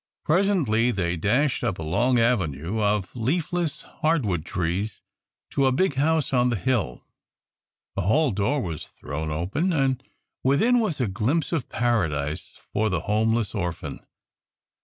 Presently they dashed up a long avenue of leafless, hardwood trees to a big house on the hill. A hall door was thrown open, and within was a glimpse of paradise for the homeless orphan.